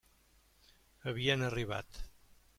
Havien arribat.